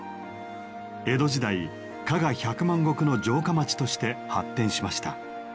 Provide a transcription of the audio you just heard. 江戸時代加賀百万石の城下町として発展しました。